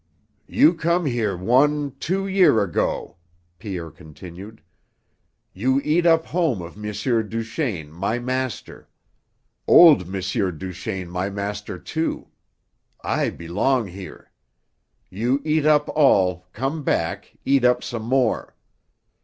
"You come here one, two year ago," Pierre continued. "You eat up home of M. Duchaine, my master. Old M. Duchaine my master, too. I belong here. You eat up all, come back, eat up some more.